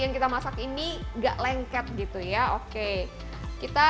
yang kita masakkan ini jadi saya menambahkan air jadi kita masukkan dengan air sedemikian